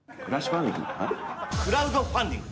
クラウドファンディング！